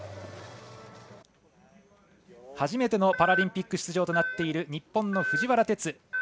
初めてのパラリンピック出場となっている日本の藤原哲。